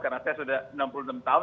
karena saya sudah enam puluh enam tahun